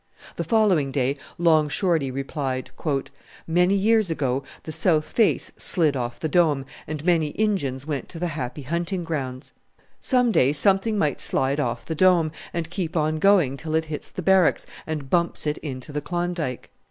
The following day Long Shorty replied, "Many years ago the south face slid off the Dome and many ingins went to the happy hunting grounds. Some day something may slide off the Dome and keep on going till it hits the Barracks and bumps it into the Klondike.